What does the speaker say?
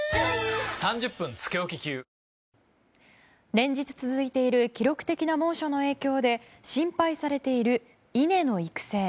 連日続いている記録的な猛暑の影響で心配されている稲の育成。